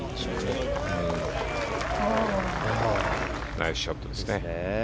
ナイスショットですね。